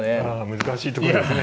難しいとこですね。